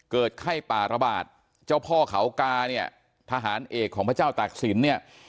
เกิดไข้ป่าระบาดเจ้าพ่อเขากาเนี่ยทหารเอกของพระเจ้าตากศิลป์เนี่ย